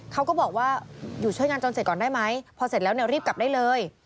เขาก็บอกว่าอยู่ช่วยงานจนเสร็จก่อนได้ไหมพอเสร็จแล้วเนี่ยรีบกลับได้เลย